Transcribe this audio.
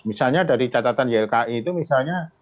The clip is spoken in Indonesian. misalnya dari catatan ylki itu misalnya